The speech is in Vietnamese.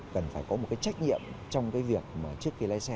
cần phải có một cái trách nhiệm trong cái việc mà trước khi lái xe